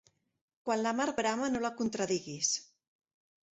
Quan la mar brama, no la contradiguis.